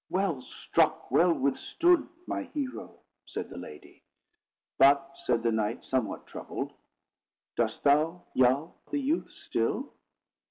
"Well struck! well withstood! my hero," said the lady. "But," said the knight, somewhat troubled, "dost thou love the youth still?"